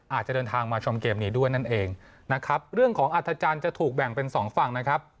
อาจจะเดินทางมาชมเกมนี้ด้วยนั่นเองนะครับเรื่องของอัฐจันทร์จะถูกแบ่งเป็นสองฝั่งนะครับ